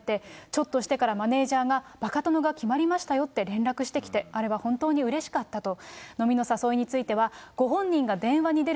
ちょっとしてからマネージャーが、バカ殿が決まりましたよって連絡してきて、あれは本当にうれしかったと。